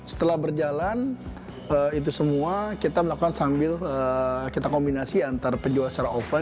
setelah berjalan itu semua kita melakukan sambil kita kombinasi antara penjual secara off taker